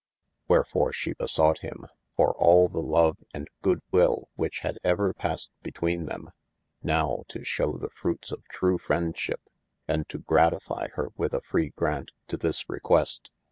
Wherfore she besought him for all the love and good will which had ever passed betweene them, nowe to shewe the fruites of true friend ship, and to gratifie hir with a free graunt to this request.